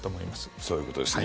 そういうことですね。